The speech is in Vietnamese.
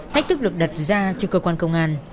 thách thức được đặt ra cho cơ quan công an